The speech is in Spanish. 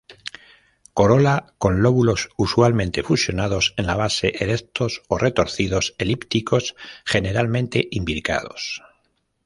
Corola con lóbulos usualmente fusionados en la base, erectos o retorcidos, elípticos, generalmente imbricados.